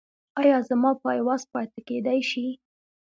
ایا زما پایواز پاتې کیدی شي؟